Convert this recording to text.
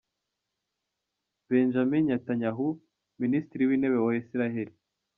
Benjamin Netanyahu, Minisitiri w’Intebe wa Israel.